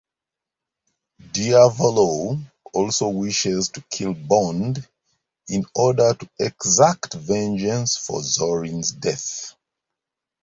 Diavolo also wishes to kill Bond in order to exact vengeance for Zorin's death.